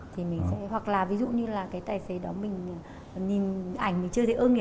thì mình sẽ hoặc là ví dụ như là cái tài xế đó mình nhìn ảnh mình chưa thấy ơn nghĩa hạ thì vẫn có thể đổi và